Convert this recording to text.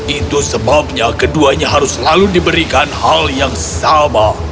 itu sebabnya keduanya harus selalu diberikan hal yang sama